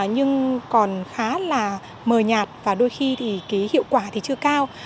nhưng còn khá là mờ nhạt và đôi khi thì cái hiệu quả thì chưa cao